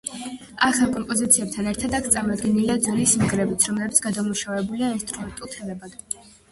ახალ კომპოზიციებთან ერთად, აქ წარმოდგენილია ძველი სიმღერებიც, რომლებიც გადამუშავებულია ინსტრუმენტულ თემებად.